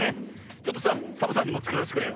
ちょっとさサボさんにもつけさせてくれよ。